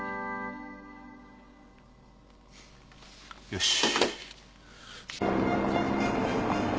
よし。